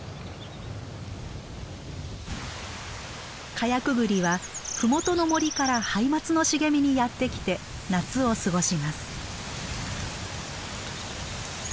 カヤクグリは麓の森からハイマツの茂みにやって来て夏を過ごします。